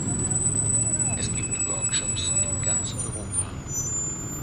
Er gibt Workshops in ganz Europa.